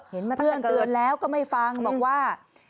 เห็นมาตั้งแต่เกิดเพื่อนเตือนแล้วก็ไม่ฟังบอกว่า